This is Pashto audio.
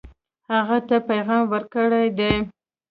هغه ته پیغام ورکړی دی.